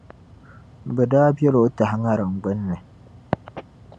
bɛ daa biɛli o tahi ŋariŋ gbini.